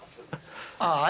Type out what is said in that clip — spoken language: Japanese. ああ！